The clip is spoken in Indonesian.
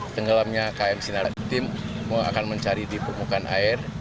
tenggelamnya km sinar bangun akan mencari di permukaan air